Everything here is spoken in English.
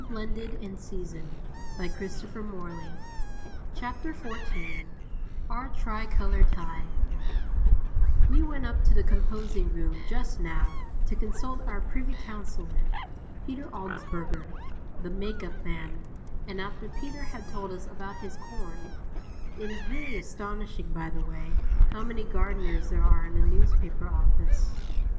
"The next time you get on a train," he said, "watch your stop." OUR TRICOLOUR TIE We went up to the composing room just now to consult our privy counsellor, Peter Augsberger, the make up man, and after Peter had told us about his corn It is really astonishing, by the way, how many gardeners there are in a newspaper office.